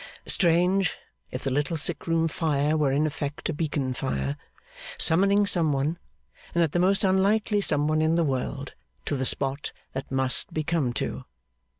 Strange, if the little sick room fire were in effect a beacon fire, summoning some one, and that the most unlikely some one in the world, to the spot that must be come to.